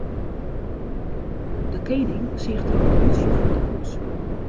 De kening seach troch it rútsje fan de koets.